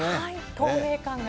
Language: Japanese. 透明感が。